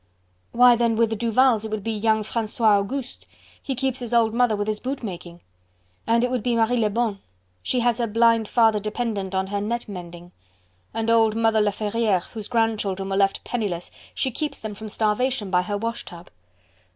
"Why, then, with the Duvals it would be young Francois Auguste. He keeps his old mother with his boot making..." "And it would be Marie Lebon, she has her blind father dependent on her net mending." "And old Mother Laferriere, whose grandchildren were left penniless... she keeps them from starvation by her wash tub."